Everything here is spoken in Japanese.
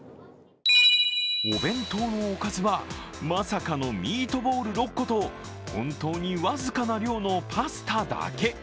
お弁当のおかずは、まさかのミートボール６個と本当に僅かな量のパスタだけ。